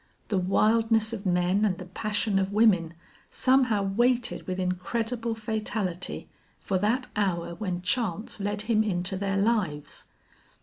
The wildness of men and the passion of women somehow waited with incredible fatality for that hour when chance led him into their lives.